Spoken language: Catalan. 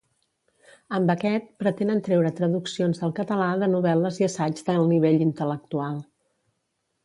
Amb aquest, pretenen treure traduccions al català de novel·les i assaigs d'alt nivell intel·lectual.